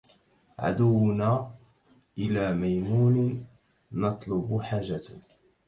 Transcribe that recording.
غدونا إلى ميمون نطلب حاجة